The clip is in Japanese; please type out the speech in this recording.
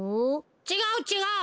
ちがうちがう！